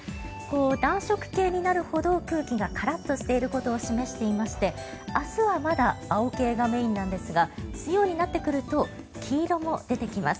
暖色系になるほど空気がカラッとしていることを示していまして明日はまだ青系がメインなんですが水曜になってくると黄色も出てきます。